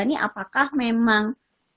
ini apakah memang